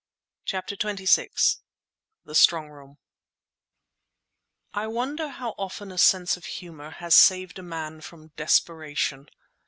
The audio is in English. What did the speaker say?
CHAPTER XXVI THE STRONG ROOM I wonder how often a sense of humour has saved a man from desperation?